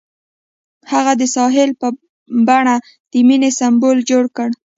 هغه د ساحل په بڼه د مینې سمبول جوړ کړ.